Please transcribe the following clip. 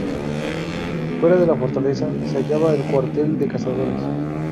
Fuera de la Fortaleza se hallaba el cuartel de Cazadores.